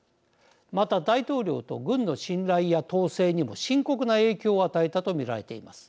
また大統領と軍の信頼や統制にも深刻な影響を与えたと見られています。